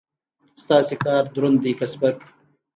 ستاسو کار دروند دی که سپک؟